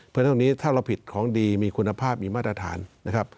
เพราะฉะนั้นตรงนี้ถ้าเราผิดของดีมีคุณภาพมีมาตรฐานนะครับ